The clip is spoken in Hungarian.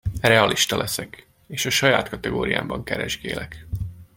Realista leszek, és a saját kategóriámban keresgélek.